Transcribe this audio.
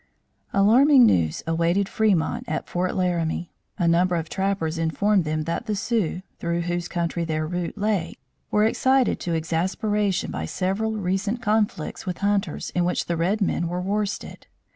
Alarming news awaited Fremont at Fort Laramie. A number of trappers informed them that the Sioux, through whose country their route lay, were excited to exasperation by several recent conflicts with hunters in which the red men were worsted.